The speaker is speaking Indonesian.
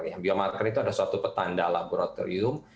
nah biomarker itu adalah suatu petanda laboratorium